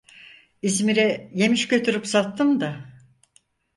İzmir'e yemiş götürüp sattım da…